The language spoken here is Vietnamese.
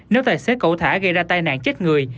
nếu tài xế cậu thả gây ra tai nạn chết người